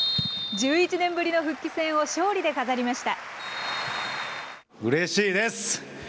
１１年ぶりの復帰戦を勝利で飾りました。